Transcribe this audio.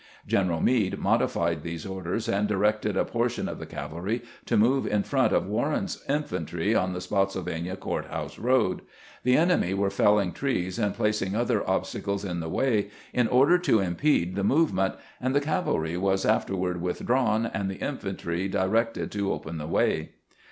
General Meade modified these orders, and directed a portion of the cavalry to move in front of Warren's infantry on the Spottsylvania Court house road. The enemy were felhng trees and placing other obstacles in the way, in order to impede the movement, and the cavalry was afterward withdrawn and the in fantry directed to open the way.